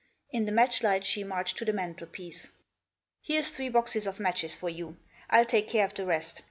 In the match light she marched to the mantelpiece. " Here's three boxes of matches for you ; I'll take care of the rest.